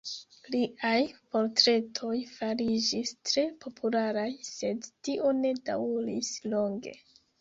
Liaj portretoj fariĝis tre popularaj, sed tio ne daŭris longe.